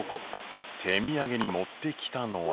手土産に持ってきたのは。